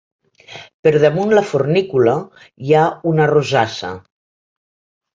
Per damunt la fornícula hi ha una rosassa.